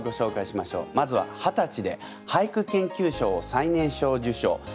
まずははたちで俳句研究賞を最年少受賞。